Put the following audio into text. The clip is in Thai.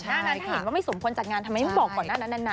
หน้านั้นถ้าเห็นว่าไม่สมควรจัดงานทำไมไม่บอกก่อนหน้านั้นนาน